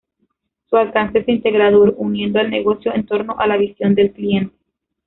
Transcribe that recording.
Su alcance es integrador, uniendo al negocio en torno a la visión del cliente.